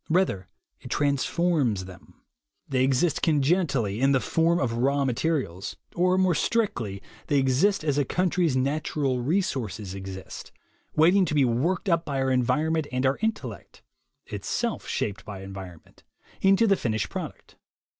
Rather, it transforms them. They exist congenitally in the form of raw mate rials; or more strictly, they exist as a country's "natural resources" exist, waiting to be worked up by our environment and our intellect (itself shaped by environment) into the finished product.